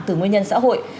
từ nguyên nhân xã hội